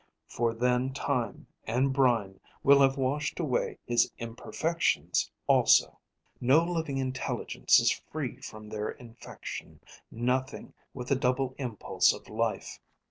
For then time and brine will have washed away his imperfections also. "No living intelligence is free from their infection, nothing with the double impulse of life.